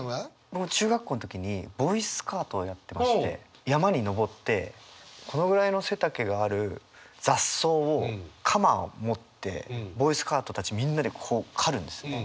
僕中学校の時にボーイスカウトをやってまして山に登ってこのぐらいの背丈がある雑草を鎌を持ってボーイスカウトたちみんなでこう刈るんですね。